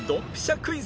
クイズ。